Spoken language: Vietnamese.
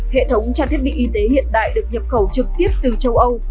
hệ thống trang thiết bị y tế hiện đại được nhập khẩu trực tiếp từ châu âu